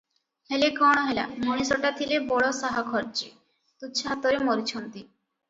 ହେଲେ କଣ ହେଲା, ମଣିଷଟା ଥିଲେ ବଡ଼ ସାହାଖର୍ଚ୍ଚୀ, ତୁଛା ହାତରେ ମରିଛନ୍ତି ।